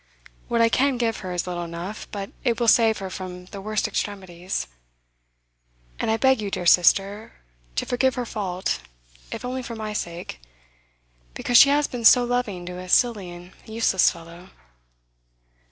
What I can give her is little enough, but it will save her from the worst extremities. And I beg you, dear sister, to forgive her fault, if only for my sake, because she has been so loving to a silly and useless fellow.